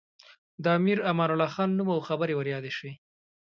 د امیر امان الله خان نوم او خبرې ور یادې شوې.